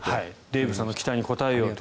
デーブさんの期待に応えようと。